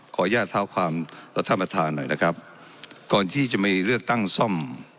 อนุญาตเท้าความท่านประธานหน่อยนะครับก่อนที่จะมีเลือกตั้งซ่อม